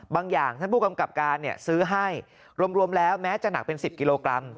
อย่างท่านผู้กำกับการซื้อให้รวมแล้วแม้จะหนักเป็น๑๐กิโลกรัม